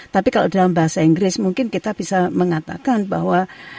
tapi kalau dalam bahasa inggris mungkin kita bisa mengatakan bahwa